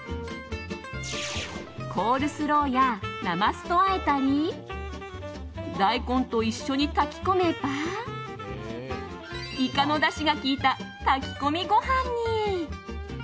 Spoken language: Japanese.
コールスローやなますとあえたり大根と一緒に炊き込めばイカのだしが効いた炊き込みご飯に。